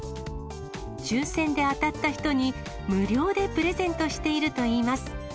抽せんで当たった人に無料でプレゼントしているといいます。